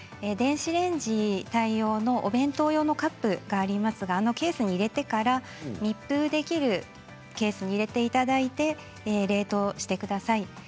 電子レンジ対応のお弁当用のカップがありますがあのケースに入れてから密封できるケースに入れていただいて冷凍してください。